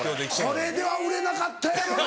これでは売れなかったやろな。